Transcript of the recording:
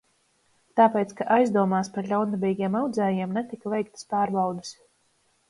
Tāpēc, ka aizdomās par ļaundabīgiem audzējiem netika veiktas pārbaudes.